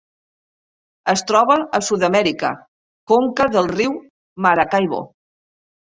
Es troba a Sud-amèrica: conca del riu Maracaibo.